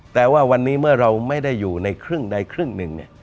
แต่ว่าวันนี้เมื่อเราไม่ได้อยู่ในครึ่งใดครึ่งหนึ่ง